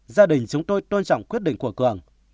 gia đình chúng tôi tôn trọng quyết định của cường